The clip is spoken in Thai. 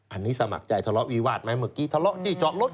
อันนี้สมัครใจทะเลาะวิวาสไหมเมื่อกี้ทะเลาะที่จอดรถ